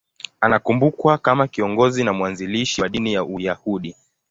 Anakumbukwa kama kiongozi na mwanzilishi wa dini ya Uyahudi.